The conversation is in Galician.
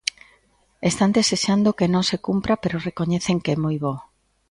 Están desexando que non se cumpra, pero recoñecen que é moi bo.